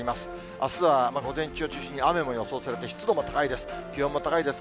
あすは午前中を中心に雨も予想されて、湿度も高いです。